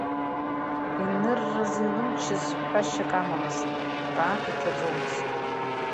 Инырраз илымчыз ҳәашьак амамызт, ҳәаак иҭаӡомызт.